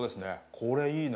これいいな。